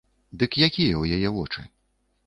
Дык якія ў яе вочы?